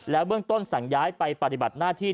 เบื้องต้นสั่งย้ายไปปฏิบัติหน้าที่